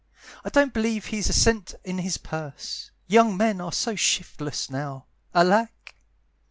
I don't believe he's a cent in his purse, Young men are so shiftless now, alack!